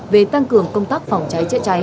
về tăng cường công tác phòng cháy chữa cháy